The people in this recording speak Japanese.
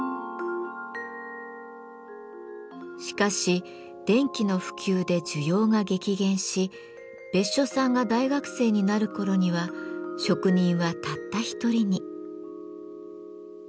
しかし電気の普及で需要が激減し別所さんが大学生になる頃には職人はたった一人に。